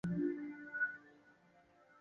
另外三位分别为赵少昂。